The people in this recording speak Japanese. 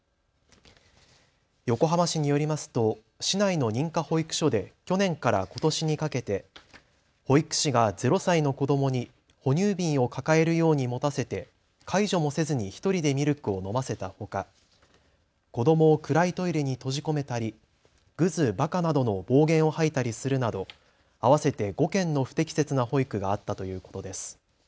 横浜市によりますと市内の認可保育所で去年からことしにかけて保育士が０歳の子どもに哺乳瓶を抱えるように持たせて介助もせずに１人でミルクを飲ませたほか子どもを暗いトイレに閉じ込めたり、ぐず、ばかなどの暴言を吐いたりするなど合わせて５件の不適切な保育があったということです。